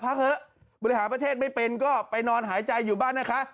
เถอะบริหารประเทศไม่เป็นก็ไปนอนหายใจอยู่บ้านนะคะ